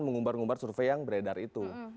mengumbar ngumbar survei yang beredar itu